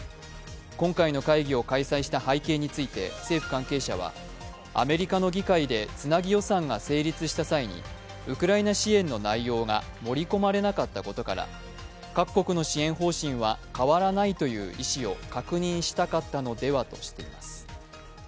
今回の会議を開催した背景について政府関係者はアメリカの議会でつなぎ予算が成立した際にウクライナ支援の内容が盛り込まれなかったことから各国の支援方針は変わらないという意思を確認したかったのではとしています。